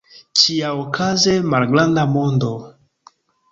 Ĉiaokaze, malgranda mondo.